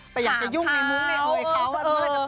ไปอยากจะยุ่งหายมุข